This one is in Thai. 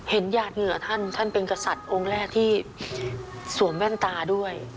หยาดเหงื่อท่านท่านเป็นกษัตริย์องค์แรกที่สวมแว่นตาด้วย